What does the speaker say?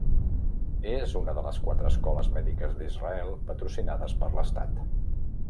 És una de les quatre escoles mèdiques d'Israel patrocinades per l'estat.